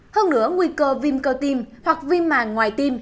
hơn nữa nguy cơ viêm cơ tim hoặc viêm màng ngoài tim